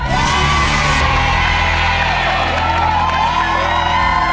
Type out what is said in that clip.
ถูกครับ